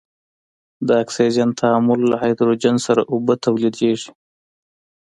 د اکسجن تعامل له هایدروجن سره اوبه تولیدیږي.